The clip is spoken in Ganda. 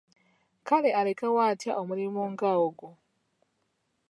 Kale alekawo atya omulimu nga ogwo?